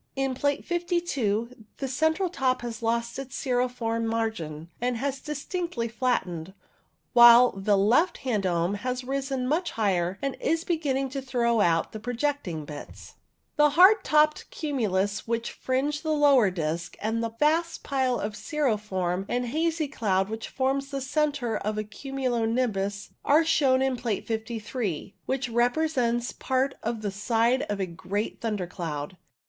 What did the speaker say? In Plate 52 the central top has lost its cirriform margin and has distinctly flattened, while the left hand dome has risen much higher and is beginning to throw out the projecting bits. 1 1 2 CUMULO NIMBUS The hard topped cumulus which fringe the lower disc, and the vast pile of cirriform and hazy cloud which forms the centre of a cumulo nimbus, are shown in Plate 53, which represents part of the side of a great thunder cloud.